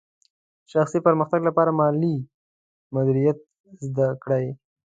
شخصي پرمختګ لپاره مالي مدیریت زده کړئ.